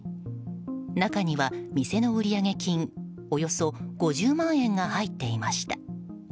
中には、店の売上金およそ５０万円が入っていました。